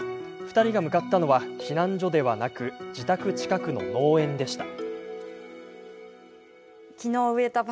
２人が向かったのは避難所ではなく自宅近くの農園でした。